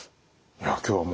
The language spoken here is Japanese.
いや今日はもうね